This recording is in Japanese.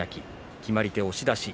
決まり手は押し出し。